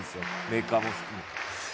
メーカーも含め。